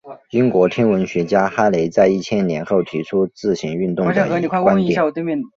英国天文学家哈雷在一千年后提出自行运动的观点。